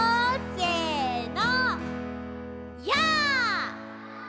せの！